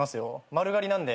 丸刈りなんで。